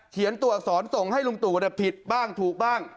ตัวอักษรส่งให้ลุงตู่ผิดบ้างถูกบ้าง